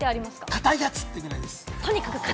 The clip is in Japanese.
硬いやつってぐらいです。